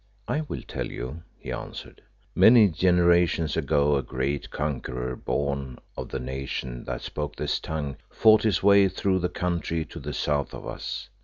"I will tell you," he answered. "Many generations ago a great conqueror born of the nation that spoke this tongue fought his way through the country to the south of us.